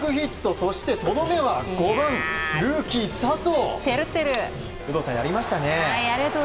そして、とどめは５番、ルーキー佐藤。